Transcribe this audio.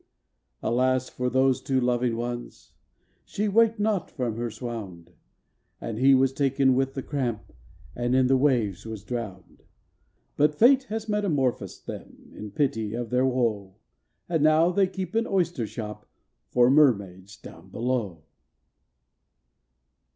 Alas for those two loving ones! she waked not from her swound, And he was taken with the cramp, and in the waves was drowned; But Fate has metamorphosed them, in pity of their woe, And now they keep an oyster shop for mermaids down below.